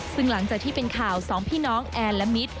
ซึ่งหลังจากที่เป็นข่าวสองพี่น้องแอนและมิตร